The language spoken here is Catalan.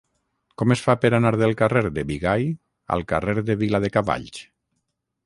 Com es fa per anar del carrer de Bigai al carrer de Viladecavalls?